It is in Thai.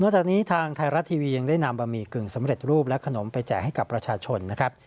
จากนี้ทางไทยรัฐทีวียังได้นำบะหมี่กึ่งสำเร็จรูปและขนมไปแจกให้กับประชาชนนะครับ